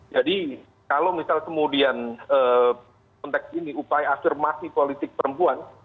jadi kalau misalnya kemudian konteks ini upaya afirmasi politik perempuan